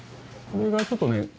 これがちょっとね